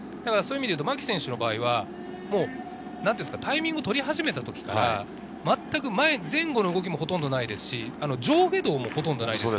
牧選手の場合は、タイミングを取り始めたときからまったく前後の動きもほとんどないですし、上下動もほとんどない。